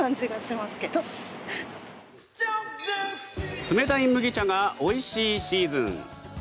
冷たい麦茶がおいしいシーズン。